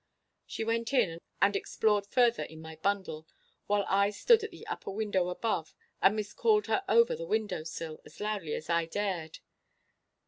She went in and explored further in my bundle, while I stood at the upper window above and miscalled her over the window sill as loudly as I dared.